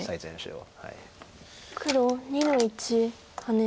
黒２の一ハネ。